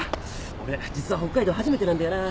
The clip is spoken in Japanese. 俺実は北海道初めてなんだよな。